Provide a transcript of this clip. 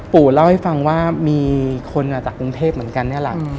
ปู่เล่าให้ฟังว่ามีคนจากกรุงเทพเหมือนกันนี่แหละ